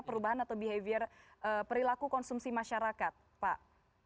perubahan atau behavior perilaku konsumsi masyarakat pak